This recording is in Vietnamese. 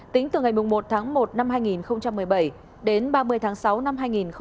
tính từ ngày một tháng một năm hai nghìn một mươi bảy đến ba mươi tháng sáu năm hai nghìn một mươi chín